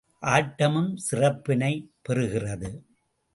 ஆட்டமும் சிறப்பினைப் பெறுகிறது.